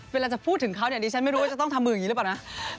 เวลาจะพูดถึงเขาเนี่ยดิฉันไม่รู้ว่าจะต้องทำมืออย่างนี้หรือเปล่านะ